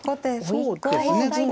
そうですね。